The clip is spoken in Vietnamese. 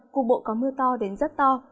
cục bộ có mưa to đến rất to